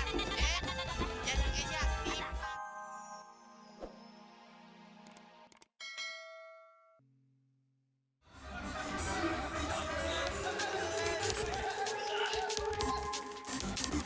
apa yang kamu lakukan